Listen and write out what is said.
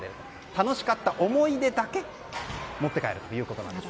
楽しかった思い出だけ持って帰るということです。